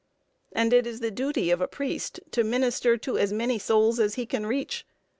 And it is the duty of a priest to minister to as many souls as he can reach.